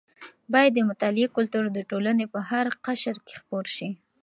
باید د مطالعې کلتور د ټولنې په هره قشر کې خپور شي.